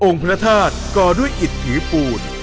องค์พระธาตุก่อด้วยอิตภีรปูน